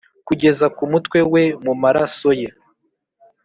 kugeza ku mutwe we mu maraso ye,